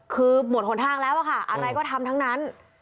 คือหมดหนทางแล้วอะค่ะอะไรก็ทำทั้งนั้น